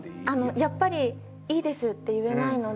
「やっぱりいいです」って言えないので。